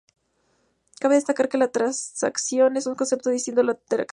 Cabe destacar que la transacción es un concepto distinto a la interacción.